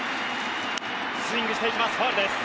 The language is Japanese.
スイングしていきますファウルです。